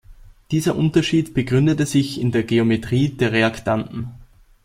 Dieser Unterschied begründet sich in der Geometrie der Reaktanten.